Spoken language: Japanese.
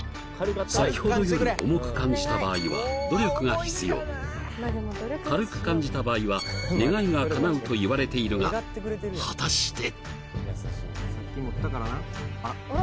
先ほどより重く感じた場合は努力が必要軽く感じた場合は願いがかなうといわれているが果たしてさっき持ったからなあら？